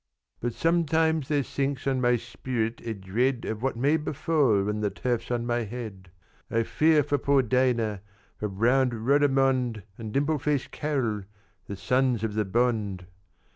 "But sometimes there sinks on my spirit a dread Of what may befall when the turf's on my head; I fear for poor Dinah for brown Rodomond And dimple faced Karel, the sons of the bond.